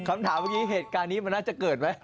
คำถามเมื่อกี้เหตุการณ์นี้มันน่าจะเกิดไหม